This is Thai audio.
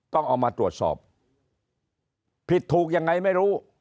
ต้องเอามาตรวจสอบผิดถูกยังไงไม่รู้